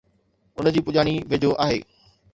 ان جي پڄاڻي ويجهو آهي